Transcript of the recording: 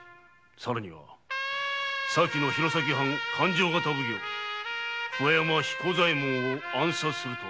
さらには前の弘前藩勘定方奉行桑山彦左衛門を暗殺するとは許し難い所業だ。